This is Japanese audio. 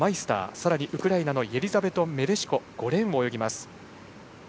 さらにウクライナのイェリザベタ・メレシコ５レーンを泳ぎます。